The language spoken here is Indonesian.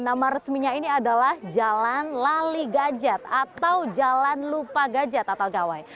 nama resminya ini adalah jalan lali gadget atau jalan lupa gadget atau gawai